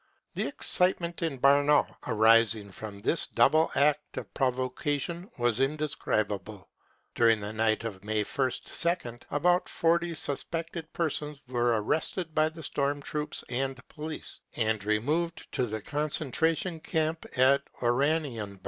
The excitement in Bernau arising from this double act of provocation was indes cribable. During the night of May ist 2nd about forty suspected persons were arrested by the storm troops * and police, and removed to the concentration camp at Oranienburg.